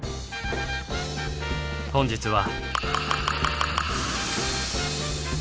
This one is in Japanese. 本日は。